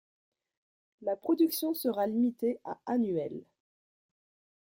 La production sera limitée à annuels.